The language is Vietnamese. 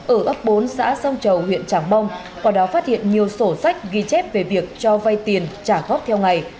ở ấp bốn xã sông trầu huyện tràng bom qua đó phát hiện nhiều sổ sách ghi chép về việc cho vay tiền trả góp theo ngày